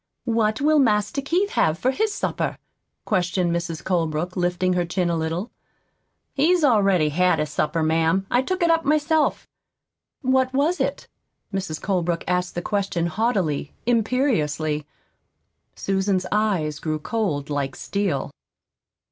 "What will Master Keith have for his supper?" questioned Mrs. Colebrook, lifting her chin a little. "He's already had his supper, ma'am. I took it up myself." "What was it?" Mrs. Colebrook asked the question haughtily, imperiously. Susan's eyes grew cold like steel.